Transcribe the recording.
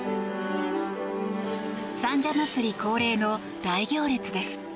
三社祭恒例の大行列です。